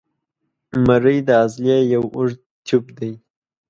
مرۍ د عضلې یو اوږد تیوب دی.